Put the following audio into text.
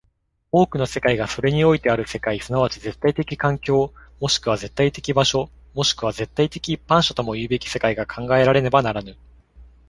多くの世界がそれにおいてある世界即ち絶対的環境、もしくは絶対的場所、もしくは絶対的一般者ともいうべき世界が考えられねばならぬ。